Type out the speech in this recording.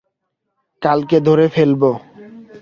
কালকে ধরে ফেলব।